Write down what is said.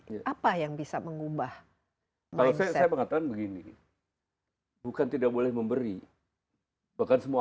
ini apa yang bisa mengubah kalau saya mengatakan begini bukan tidak boleh memberi bahkan semua